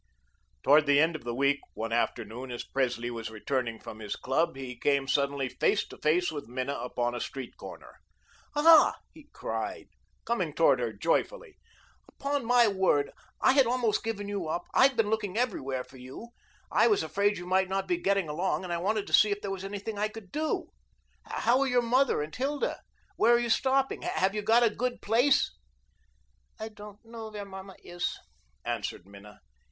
Towards the end of the week, one afternoon, as Presley was returning from his club, he came suddenly face to face with Minna upon a street corner. "Ah," he cried, coming toward her joyfully. "Upon my word, I had almost given you up. I've been looking everywhere for you. I was afraid you might not be getting along, and I wanted to see if there was anything I could do. How are your mother and Hilda? Where are you stopping? Have you got a good place?" "I don't know where mamma is," answered Minna.